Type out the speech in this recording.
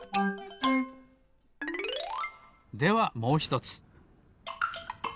ではもうひとつ。